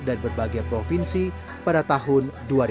dan berbagai provinsi pada tahun dua ribu tujuh belas